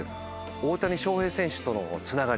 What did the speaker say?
大谷翔平選手とのつながり。